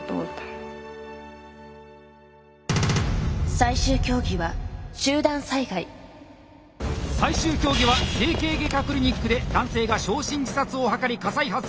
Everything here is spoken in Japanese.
最終競技は最終競技は整形外科クリニックで男性が焼身自殺を図り火災発生。